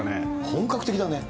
本格的だね。